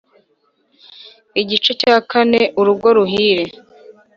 Igice cya Kane Urugo ruhire